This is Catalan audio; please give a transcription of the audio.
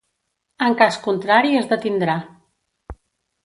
En cas contrari es detindrà.